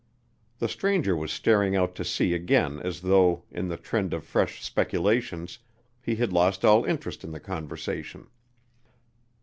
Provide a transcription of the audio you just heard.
The stranger was staring out to sea again as though, in the trend of fresh speculations, he had lost all interest in the conversation.